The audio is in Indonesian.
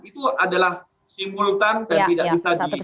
itu adalah simultan dan tidak bisa di